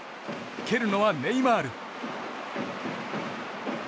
蹴るのはネイマール。